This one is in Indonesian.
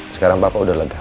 sekarang papa udah lega kok